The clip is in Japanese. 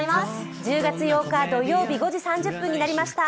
１０月８日土曜日５時３０分になりました。